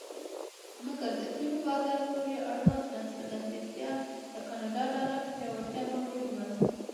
مګر د تیلو بازار پورې اړوند ناڅرګندتیا د کاناډا ډالر د پیاوړتیا مخه ونیوله.